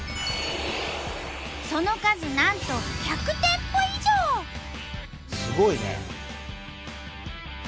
その数なんとすごいね！